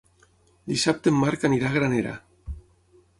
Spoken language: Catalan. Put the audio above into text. Dissabte en Marc anirà a Granera.